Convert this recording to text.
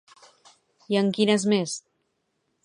I en quines més?